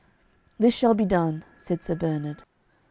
"This shall be done," said Sir Bernard.